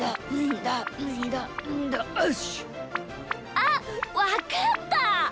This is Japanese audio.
あわかった！